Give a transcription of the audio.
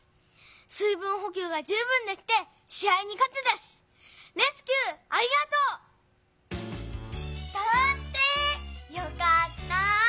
水分ほきゅうが十分できてし合にかてたしレスキューありがとう！だって！よかった！